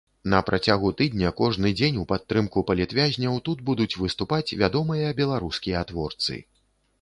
На працягу тыдня кожны дзень у падтрымку палітвязняў тут будуць выступаць вядомыя беларускія творцы.